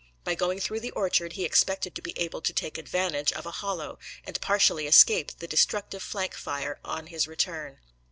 By going through the orchard he expected to be able to take advantage of a hollow, and partially escape the destructive flank fire on his return.